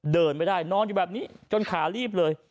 เดินไม่ได้นอนอยู่แบบนี้จนขาลีบเลย